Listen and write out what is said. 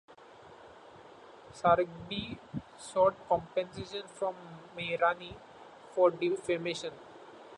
Sgarbi sought compensation from Marini for defamation.